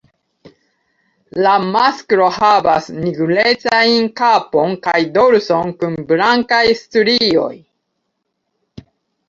La masklo havas nigrecajn kapon kaj dorson kun blankaj strioj.